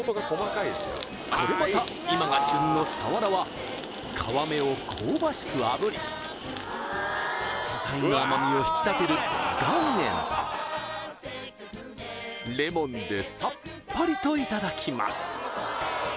これまた今が旬のさわらは皮目を香ばしくあぶり素材の甘みを引き立てる岩塩とレモンでさっぱりといただきます